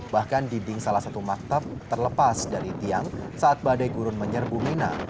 bahkan dinding salah satu maktab terlepas dari tiang saat badai gurun menyerbu mina